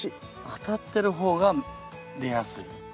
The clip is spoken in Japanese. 当たってる方が出やすい。